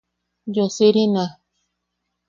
Yosirina.